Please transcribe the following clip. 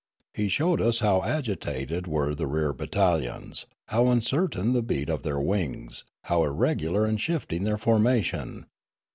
He showed us how agitated were the rear battalions, how uncertain the beat of their wings, how irregular and shifting their formation.